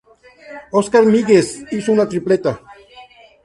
Óscar Míguez hizo una tripleta.